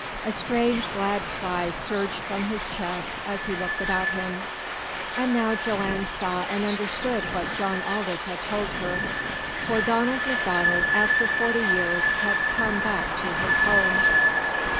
A strange, glad cry surged from his chest as he looked about him, and now Joanne saw and understood what John Aldous had told her for Donald MacDonald, after forty years, had come back to his home!